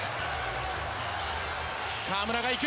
河村がいく。